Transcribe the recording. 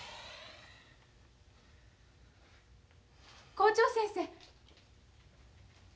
・校長先生。